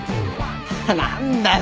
何だよ。